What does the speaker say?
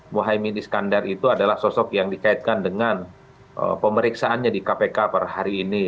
muhaymin iskandar itu adalah sosok yang dikaitkan dengan pemeriksaannya di kpk per hari ini